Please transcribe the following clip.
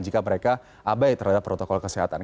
jika mereka abai terhadap protokol kesehatan